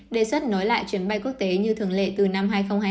đề xuất nối lại chuyến bay quốc tế như thường lệ từ năm hai nghìn hai mươi hai